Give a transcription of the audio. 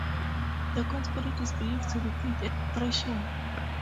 The corn spirit is believed to be killed at threshing.